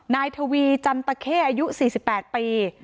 นายทวีจันตะเข้อายุ๔๘ปี